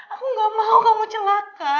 aku gak mau kamu celaka